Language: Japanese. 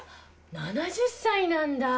７０歳なんだ！